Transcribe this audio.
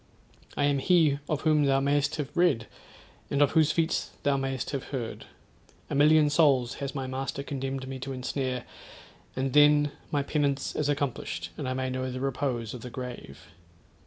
I am he of whom thou may'st have read, and of whose feats thou may'st have heard. A million souls has my master condemned me to ensnare, and then my penance is accomplished, and I may know the repose of the grave.